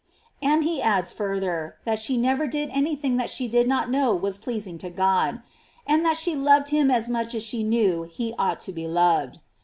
"* And he adds further, that she never did any thing that she did not know was pleasing to God; and that she loved him as much as she knew he ought to be loved.